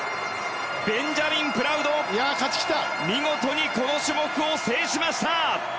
ベンジャミン・プラウド見事にこの種目を制しました。